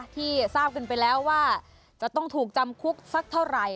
ที่ทราบกันไปแล้วว่าจะต้องถูกจำคุกสักเท่าไหร่